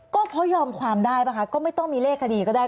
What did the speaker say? ก็เพราะยอมความได้ป่ะคะก็ไม่ต้องมีเลขคดีก็ได้